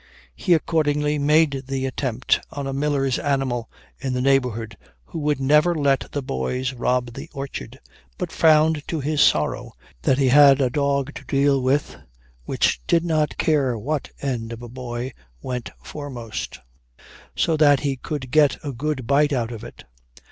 He accordingly made the attempt on a miller's animal in the neighborhood, who would never let the boys rob the orchard; but found to his sorrow that he had a dog to deal with which did not care what end of a boy went foremost, so that he could get a good bite out of it.